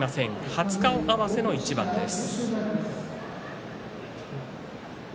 初顔合わせの一番です。